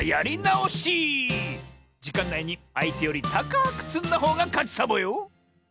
じかんないにあいてよりたかくつんだほうがかちサボよ！